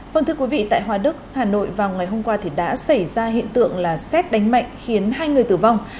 vâng thưa quý vị tại hòa đức hà nội vào ngày hôm qua thì đã xảy ra hiện tượng là xét đánh mạnh khiến hai người tử vong